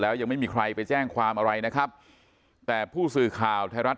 แล้วยังไม่มีใครไปแจ้งความอะไรนะครับแต่ผู้สื่อข่าวไทยรัฐ